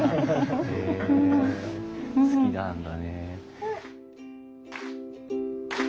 へえ好きなんだね。